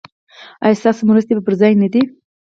ایا ستاسو مرستې پر ځای نه دي؟